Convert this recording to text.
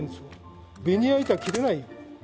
ベニヤ板は切れないよ。